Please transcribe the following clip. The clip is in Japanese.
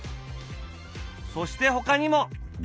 そしてほかにも！